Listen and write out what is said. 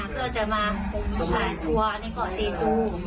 เพื่อจะมาผ่านตัวในเกาะซีซู